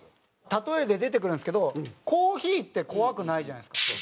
例えで出てくるんですけどコーヒーって怖くないじゃないですか。